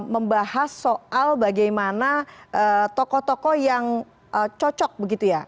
membahas soal bagaimana tokoh tokoh yang cocok begitu ya